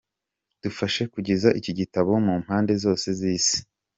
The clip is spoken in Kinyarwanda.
Dufashe kugeza iki gitabo mu mpande zose z’isi.